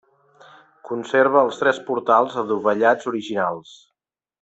Conserva els tres portals adovellats originals.